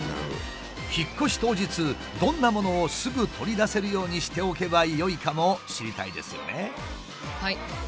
引っ越し当日どんなものをすぐ取り出せるようにしておけばよいかも知りたいですよね。